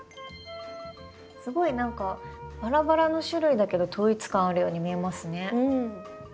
すごい何かバラバラの種類だけど統一感あるように見えますね。